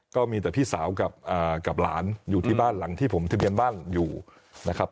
ก็มีแต่พี่สาวกับหลานอยู่ที่บ้านหลังที่ผมทะเบียนบ้านอยู่นะครับ